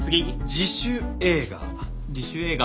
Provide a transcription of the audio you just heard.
自主映画。